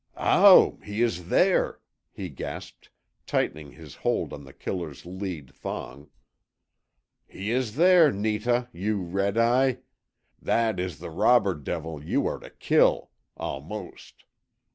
"OW! he is there," he gasped, tightening his hold on The Killer's lead thong. "He is there, Netah, you Red Eye! That is the robber devil you are to kill almost.